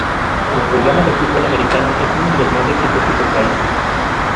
El programa de fútbol americano es uno de los más exitosos del país.